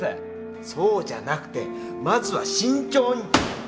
そうじゃなくてまずは慎重に。